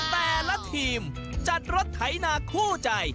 แต่ละทีมจัดรถไถนาคู่ใจ